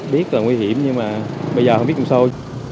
biết là nguy hiểm nhưng mà bây giờ không biết làm sao